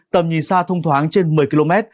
tầm nhìn xa thông thoáng trên một mươi km